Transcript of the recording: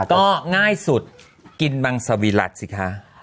ก็ง่ายสุดกินมังสวิรัติสิคะ